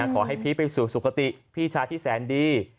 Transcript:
ขอให้พี่ไปสู่สุขติพี่ชายที่แสนดี